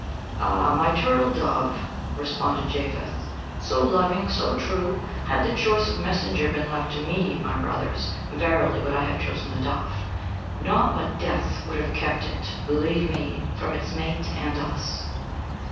"Ah, my turtle dove," responded Japheth, "so loving, so true! Had the choice of a messenger been left to me, my brothers, verily would I have chosen the dove. Naught but death would have kept it, believe me, from its mate and us."